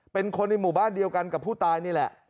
เป็นคนในหมู่บ้านเดียวกันกับผู้ตายนี่แหละ